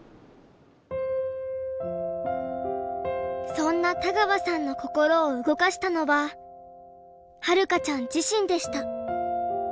そんな田川さんの心を動かしたのははるかちゃん自身でした。